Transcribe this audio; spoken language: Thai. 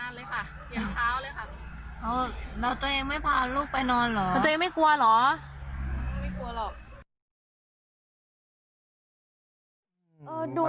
ไม่กลัวหรอก